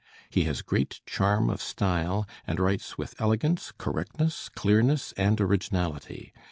He has great charm of style, and writes with elegance, correctness, clearness, and originality.